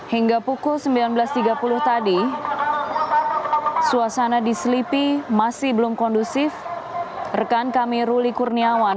hingga pukul sembilan belas tiga puluh tadi suasana di selipi masih belum kondusif rekan kami ruli kurniawan